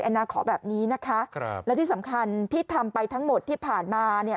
นาขอแบบนี้นะคะและที่สำคัญที่ทำไปทั้งหมดที่ผ่านมาเนี่ย